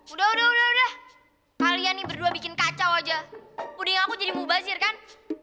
udah udah udah kalian nih berdua bikin kacau aja udah aku jadi mubazir kan